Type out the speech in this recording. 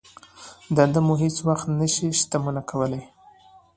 دنده مو هېڅ وخت نه شي شتمن کولای.